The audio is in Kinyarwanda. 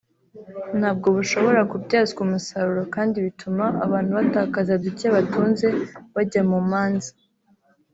ntabwo bushobora kubyazwa umusaruro kandi bituma abantu batakaza duke batunze bajya mu manza